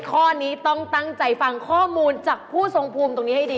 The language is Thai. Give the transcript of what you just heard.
ข้อนี้ต้องตั้งใจฟังข้อมูลจากผู้ทรงภูมิตรงนี้ให้ดี